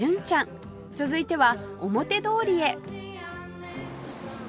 続いては表通りへ